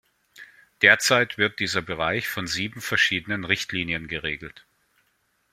Derzeit wird dieser Bereich von sieben verschiedenen Richtlinien geregelt.